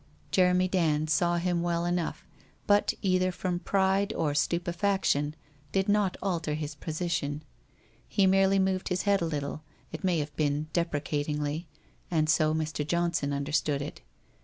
Jeremy Dand saw him well enough, but either from pride or stupefaction, did not alter his position. He merely moved his head a little, it may have been deprecatingly, and so Mr. Johnson understood it.